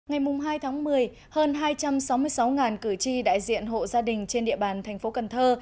ngày hai tháng một mươi hơn hai trăm sáu mươi sáu cử tri đại diện hộ gia đình trên địa bàn thành phố cần thơ